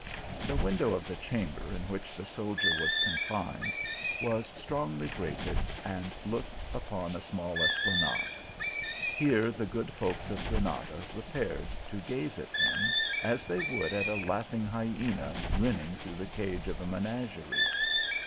The window of the chamber in which the soldier was confined was strongly grated, and looked upon a small esplanade. Here the good folks of Granada repaired to gaze at him, as they would at a laughing hyena grinning through the cage of a menagerie.